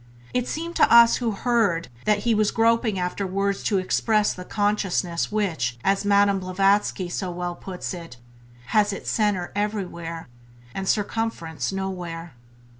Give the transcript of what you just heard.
It seemed to us who heard that he was groping after words to express the consciousness which, as Madame Blavatsky so well puts it, has "its center everywhere and its circumference nowhere".